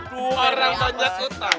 otang orang banyak utang